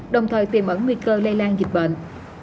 đồng thời tìm ẩn nguy cơ lây lan dịch bệnh